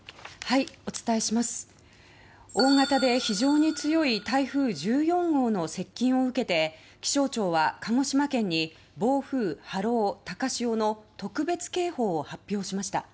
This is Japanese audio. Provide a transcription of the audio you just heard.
大型で非常に強い台風１４号の接近を受けて気象庁は鹿児島県に暴風、波浪、高潮の特別警報を発表しました。